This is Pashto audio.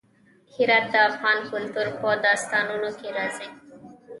هرات د افغان کلتور په داستانونو کې راځي.